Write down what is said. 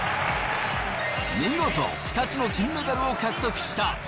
見事２つの金メダルを獲得した。